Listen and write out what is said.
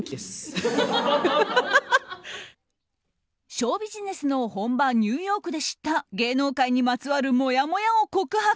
ショービジネスの本場ニューヨークで知った芸能界にまつわるもやもやを告白。